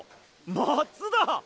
松田！？